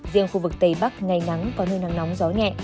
riêng khu vực tây bắc ngày nắng có nơi nắng nóng gió nhẹ